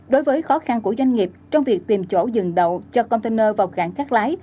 đối với khó khăn của doanh nghiệp trong việc tìm chỗ dừng đậu cho container vào gãn các lái